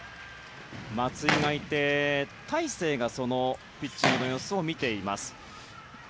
松井がいて、大勢がそのピッチングの様子を見ています。